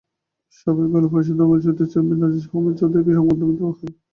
সভায় জেলা পরিষদের নবনির্বাচিত চেয়ারম্যান আজিজ আহম্মদ চৌধুরীকে সংবর্ধনা দেওয়া হয়।